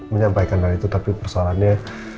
menyampaikan hal itu tapi persoalannya